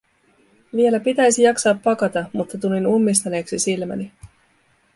Vielä pitäisi jaksaa pakata, mutta tulin ummistaneeksi silmäni.